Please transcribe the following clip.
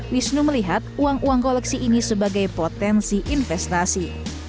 wisnu melihat uang uang koleksi ini sebagai potensi investasi